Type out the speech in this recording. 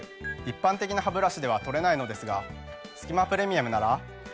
一般的なハブラシでは取れないのですが「すき間プレミアム」なら。